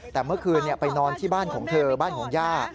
แต่เมื่อคืนไปนอนที่บ้านของเธอบ้านของย่า